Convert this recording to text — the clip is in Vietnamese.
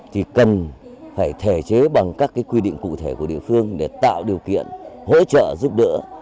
thì cần phải thể chế bằng các quy định cụ thể của địa phương để tạo điều kiện hỗ trợ giúp đỡ